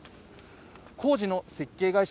工事の設計会社